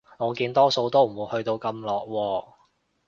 我見多數都唔會去到咁落喎